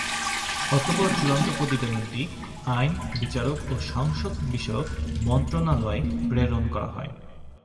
অতঃপর চূড়ান্ত প্রতিবেদনটি আইন, বিচার ও সংসদ বিষয়ক মন্ত্রণালয়ে প্রেরণ করা হয়।